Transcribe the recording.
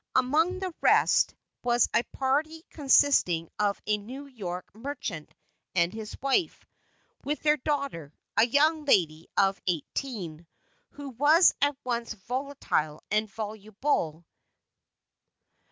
Among the rest, was a party consisting of a New York merchant and his wife, with their daughter, a young lady of eighteen, who was at once volatile and voluble.